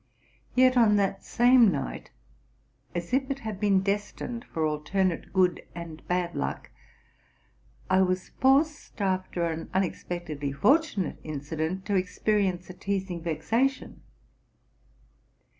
Yet on that same night, as if it had been destined for alternate good and bad luck, I was forced, after an unex pectedly fortunate incident, to experience a teazing vexation.